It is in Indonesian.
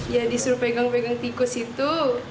ya disuruh pegang pegang tikus itu